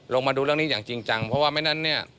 มาดูเรื่องนี้อย่างจริงจังเพราะว่าไม่นั้นเนี่ย